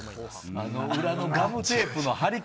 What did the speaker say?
あの裏のガムテープの貼り方。